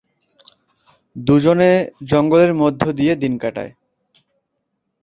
দুজনে জঙ্গলের মধ্যে দিয়ে দিন কাটায়।